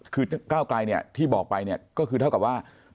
คือก้าวไกลเนี่ยที่บอกไปเนี่ยก็คือเท่ากับว่า